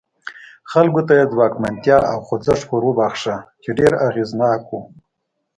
خلکو ته یې ځواکمنتیا او خوځښت وروباښه چې ډېر اغېزناک و.